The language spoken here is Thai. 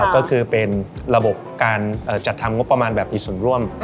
ก็คือเป็นระบบการจัดทำงบประมาณแบบมีส่วนร่วม